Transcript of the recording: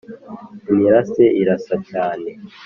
imirase irasa cyane,